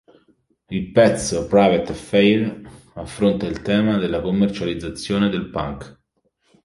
Il pezzo "Private Affair" affronta il tema della commercializzazione del punk.